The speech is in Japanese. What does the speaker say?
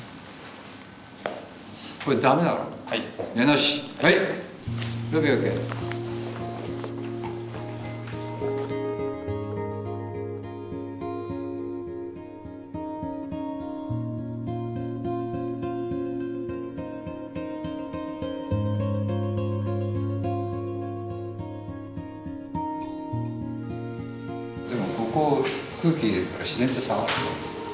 でもここ空気入れるから自然と下がるでしょ。